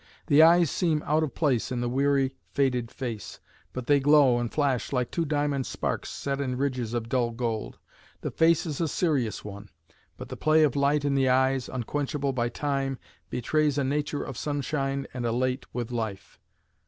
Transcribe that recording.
The eyes seem out of place in the weary, faded face, but they glow and flash like two diamond sparks set in ridges of dull gold. The face is a serious one, but the play of light in the eyes, unquenchable by time, betrays a nature of sunshine and elate with life.